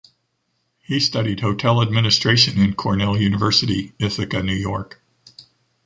He studied Hotel Administration in Cornell University, Ithaca, New York.